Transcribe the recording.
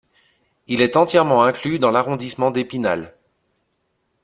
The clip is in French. Il est entièrement inclus dans l'arrondissement d'Épinal.